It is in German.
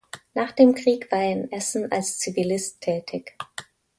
Nach dem Krieg war er in Essen als Zivilist tätig.